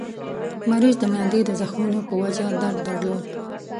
مریض د معدې د زخمونو په وجه درد درلود.